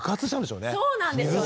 そうなんですよね。